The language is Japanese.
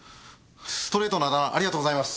ストレートなあだ名ありがとうございます。